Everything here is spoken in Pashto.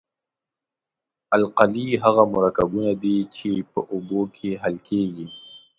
القلي هغه مرکبونه دي چې په اوبو کې حل کیږي.